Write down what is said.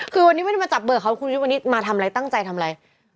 คือวันนี้ไม่ได้มาจับเบอร์เขาคุณวิทย์วันนี้มาทำอะไรตั้งใจทำอะไร